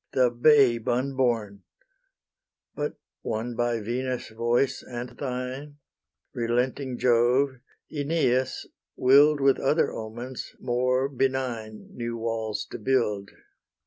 The babe unborn: But, won by Venus' voice and thine, Relenting Jove Aeneas will'd With other omens more benign New walls to build.